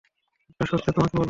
একটা শর্তে তোমাকে বলব।